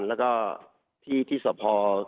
แล้วก็ที่ที่สพ